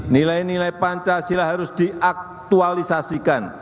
nilai nilai pancasila harus diaktualisasikan